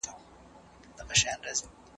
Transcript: نن خو جهاني په کړوپه ملا ورته راغلي یو